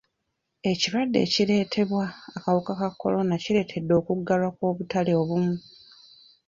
Ekirwadde ekireetebwa akawuka ka kolona kireetedde okuggalwa kw'obutale obumu.